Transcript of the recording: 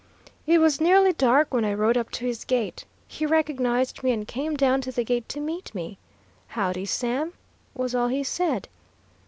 'It was nearly dark when I rode up to his gate. He recognized me and came down to the gate to meet me. "Howdy, Sam," was all he said.